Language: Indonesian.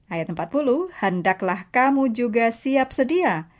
ayat empat puluh hendaklah kamu juga siap sedia